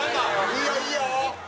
いいよいいよ。